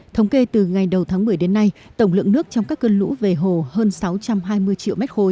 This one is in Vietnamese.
thống kê từ ngày đầu tháng một mươi đến nay tổng lượng nước trong các cơn lũ về hồ hơn sáu trăm hai mươi triệu m ba